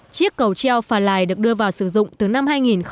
chiếc cầu treo phà lai được đưa vào sử dụng từ năm hai nghìn một mươi ba